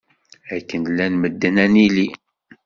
Akken llan medden ad nili.